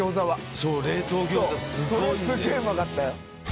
そうそれすげえうまかったよ